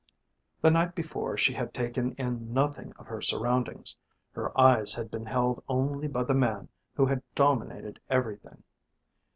The night before she had taken in nothing of her surroundings, her eyes had been held only by the man who had dominated everything.